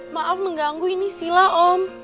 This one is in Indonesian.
maaf mengganggu ini sila om